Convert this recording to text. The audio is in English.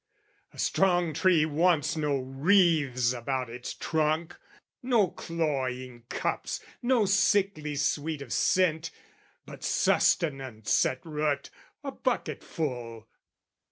A strong tree wants no wreaths about its trunk, No cloying cups, no sickly sweet of scent, But sustenance at root, a bucketful.